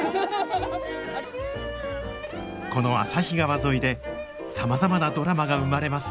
この旭川沿いでさまざまなドラマが生まれます